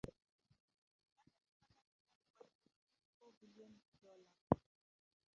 Together the family's net worth exceeds four billion dollars.